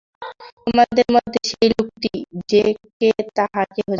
তোমাদের মধ্যে সেই লোকটি যে কে তাহা কেহ জানে না ।